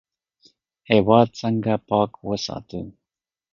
هیواد څنګه پاک وساتو؟